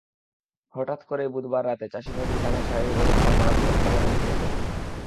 হঠাৎ করেই বুধবার রাতে চাষী নজরুল ইসলামের শারীরিক অবস্থার মারাত্মক অবনতি ঘটে।